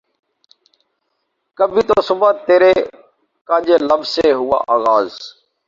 کبھی تو صبح ترے کنج لب سے ہو آغاز